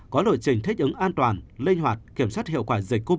có lội trình thích ứng an toàn linh hoạt kiểm soát hiệu quả dịch covid một mươi chín